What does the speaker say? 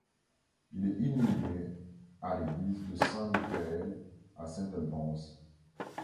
Il est inhumé à l'église de St Michael à St Albans.